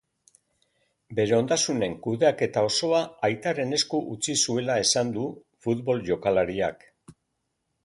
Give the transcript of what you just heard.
Bere ondasunen kudeaketa osoa aitaren esku utzi zuela esan du futbol jokalariak.